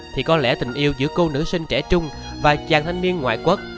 thì có lẽ tình yêu giữa cô nữ sinh trẻ trung và chàng thanh niên ngoại quốc